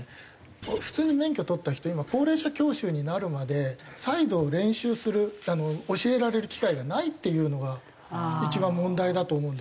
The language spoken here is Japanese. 普通に免許取った人今高齢者教習になるまで再度練習する教えられる機会がないっていうのが一番問題だと思うんです。